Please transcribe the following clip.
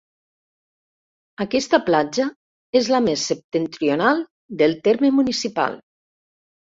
Aquesta platja és la més septentrional del terme municipal.